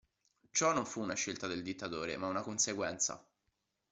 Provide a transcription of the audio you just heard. Ciò non fu una scelta del dittatore, ma una conseguenza.